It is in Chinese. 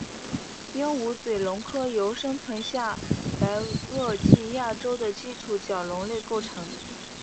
鹦鹉嘴龙科由生存于下白垩纪亚洲的基础角龙类构成。